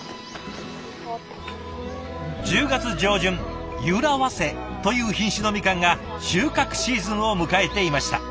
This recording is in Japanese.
１０月上旬「ゆら早生」という品種のみかんが収穫シーズンを迎えていました。